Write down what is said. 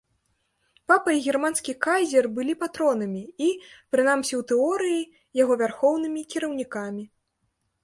Папа і германскі кайзер былі патронамі і, прынамсі ў тэорыі, яго вярхоўнымі кіраўнікамі.